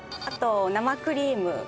あと生クリーム。